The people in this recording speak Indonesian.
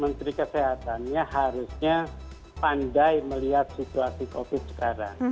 menteri kesehatannya harusnya pandai melihat situasi covid sekarang